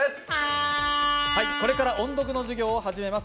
これから音読の授業を始めます。